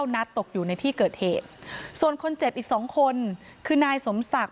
นัดตกอยู่ในที่เกิดเหตุส่วนคนเจ็บอีก๒คนคือนายสมศักดิ